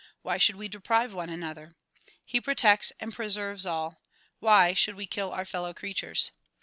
Why should we deprive one another ? He protects and preserves all. Why should we kill our fellow creatures?